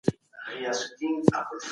طبيعي ژوند د انسان لپاره يوه ډالۍ ده.